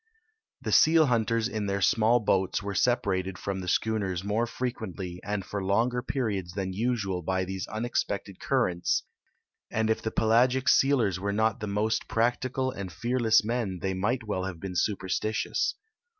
The seal hunt ers in their small boats were separated from the schooners more frequently and for longer periods than usual by these unexpected currents, and if the pelagic sealers were not the most practical and fearless men they might well have been superstitious.